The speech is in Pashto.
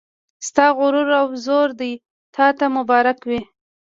ستا غرور او زور دې تا ته مبارک وي